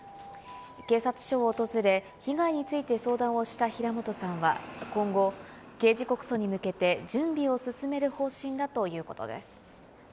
警察署を訪れ、被害について相談をした平本さんは、今後、刑事告訴に向けて準備を進める方針だということです。